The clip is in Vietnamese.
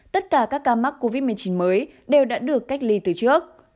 tất cả các ca mắc covid một mươi chín mới đều đã được cách ly từ trước